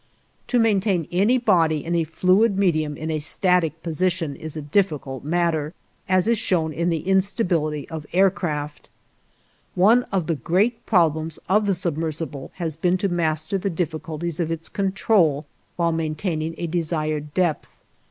To maintain any body in a fluid medium in a static position is a difficult matter, as is shown in the instability of aircraft. One of the great problems of the submersible has been to master the difficulties of its control while maintaining a desired depth.